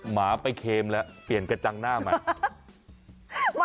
หมาไปเคมแล้วเปลี่ยนกระจังหน้าใหม่